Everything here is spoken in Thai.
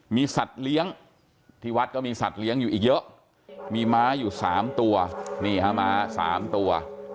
มีสัตว์เลี้ยงที่วัดก็มีสัตว์เลี้ยงอยู่อีกเยอะมีม้าอยู่๓ตัวนี่ฮะม้า๓ตัว